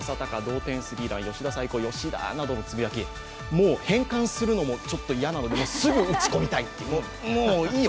もう変換するのもちょっと嫌なのですぐ打ち込みたいという、もういいよ